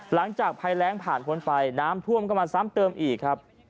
หลังจากภัยแรงผ่านพ้นไปน้ำท่วมก็มาซ้ำเติมอีกครับ